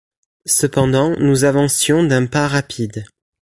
Cependant nous avancions d’un pas rapide.